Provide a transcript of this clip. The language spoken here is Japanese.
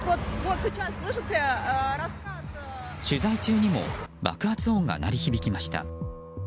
取材中にも爆発音が鳴り響きました。